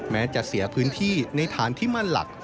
แม้จะเสียพื้นที่ในฐานที่มั่นหลัก